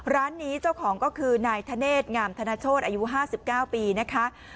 ร้านนี้เจ้าของก็คือนายธเนธงามธนโชธอายุ๕๙ปีนะคะ